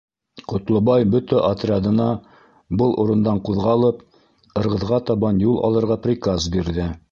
Ҡотлобай бөтә отрядына, был урындан ҡуҙғалып, Ырғыҙға табан юл алырға приказ бирҙе.